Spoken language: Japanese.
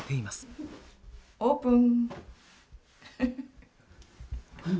オープン！